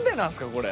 これ。